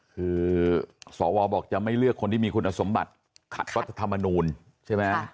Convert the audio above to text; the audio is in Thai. คือสวบอกจะไม่เลือกคนที่มีคุณสมบัติขัดรัฐธรรมนูลใช่ไหม